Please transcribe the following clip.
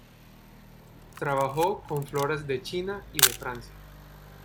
Trabajó con floras de China y de Francia.